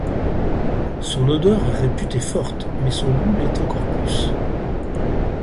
Son odeur est réputée forte, mais son goût l'est encore plus.